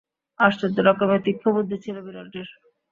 আশ্চর্য রকমের তীক্ষ্ণবুদ্ধি ছিল বিড়ালটির।